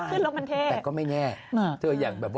ขึ้นแล้วมันเท่แต่ก็ไม่แน่